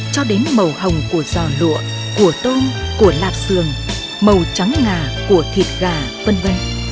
cho đến màu hồng của giò lụa của tôm của lạp sườn màu trắng ngà của thịt gà v v